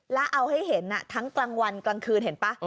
แล้วเอาให้เห็นทั้งกลางวันกลางคืนเห็นป่ะ